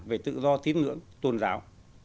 về tự do tín ngưỡng tôn giáo